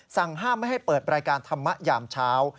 สั่งห้ามไม่ให้เปิดรายการธรรมะยามเช้า